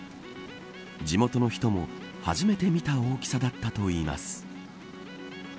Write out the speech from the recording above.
地元の人も初めて見た大きさだったといいます。